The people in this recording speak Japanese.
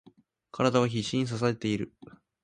体は必死に支えている。